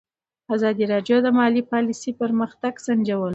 ازادي راډیو د مالي پالیسي پرمختګ سنجولی.